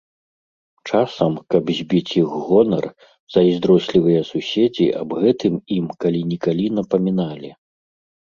Часам, каб збіць іх гонар, зайздрослівыя суседзі аб гэтым ім калі-нікалі напаміналі.